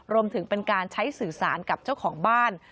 รวมถึงเป็นการใช้สื่อสารกับเจ้าของบ้าน